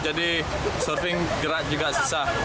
jadi serving gerak juga susah